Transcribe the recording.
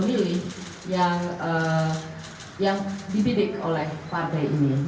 pemilih yang dibidik oleh partai ini